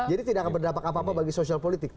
jadi tidak akan berdapat apa apa bagi sosial politik